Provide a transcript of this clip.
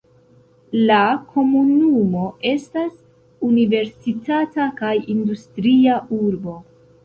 La komunumo estas universitata kaj industria urbo.